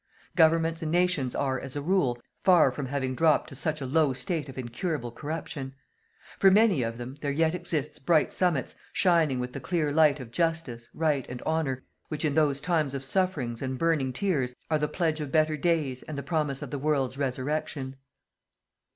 Governments and nations are, as a rule, far from having dropped to such a low state of incurable corruption. For many of them, there yet exists bright summits, shining with the clear light of Justice, Right and Honour, which in those times of sufferings and burning tears, are the pledge of better days and the promise of the world's resurrection.